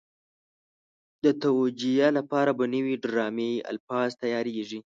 د توجیه لپاره به نوي ډرامایي الفاظ تیارېږي.